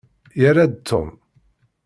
Yerra-d Tom.